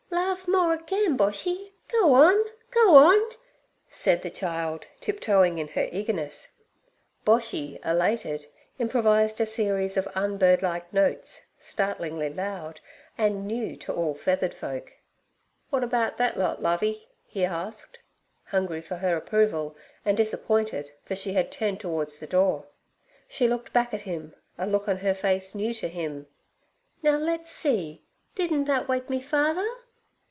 'Laugh more agen, Boshy; go on, go on!' said the child, tip toeing in her eagerness. Boshy, elated, improvised a series of unbirdlike notes, startlingly loud, and new to all feathered folk. 'W'at about thet lot, Lovey?' he asked, hungry for her approval and disappointed, for she had turned towards the door. She looked back at him, a look on her face new to him. 'Now, let's see; didn't that wake me father?'